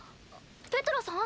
ペトラさん？